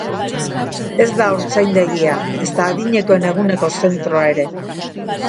Ez da haurtzaindegia, ezta adinekoen eguneko zentroa ere.